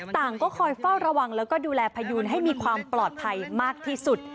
ก็คอยเฝ้าระวังแล้วก็ดูแลพยูนให้มีความปลอดภัยมากที่สุด